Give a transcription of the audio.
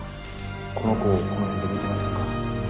この子をこの辺で見てませんか？